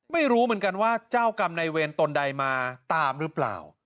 ไม่รู้เหมือนกันว่าเจ้ากรรมในเวรตนใดมาตามหรือเปล่า